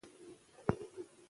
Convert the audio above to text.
که وزن پوره ورکړو نو برکت نه ځي.